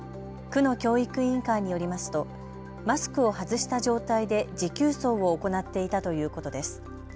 区の教育委員会によりますとマスクを外した状態で持久走を行っていたということです。